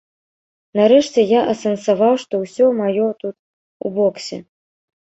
Нарэшце я асэнсаваў, што ўсё маё тут, у боксе.